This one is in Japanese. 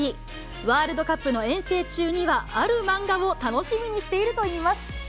ワールドカップの遠征中には、ある漫画を楽しみにしているといいます。